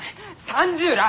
３０らあ！